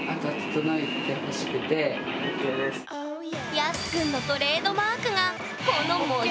ＹＡＳＵくんのトレードマークがこのへえ。